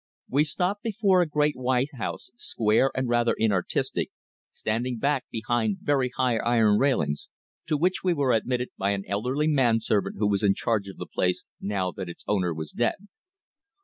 We stopped before a great white house, square and rather inartistic, standing back behind very high iron railings, to which we were admitted by an elderly man servant who was in charge of the place now that its owner was dead.